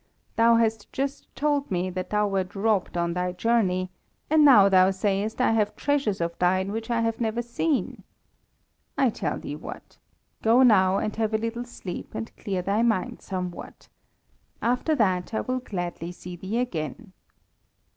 Thou hast just told me that thou wert robbed on thy journey, and now thou sayest I have treasures of thine which I have never seen. I tell thee what go now and have a little sleep and clear thy mind somewhat. After that I will gladly see thee again."